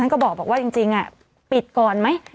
ก็บอกว่าจริงปิดก่อนไหม